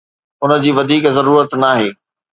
ان جي وڌيڪ ضرورت ناهي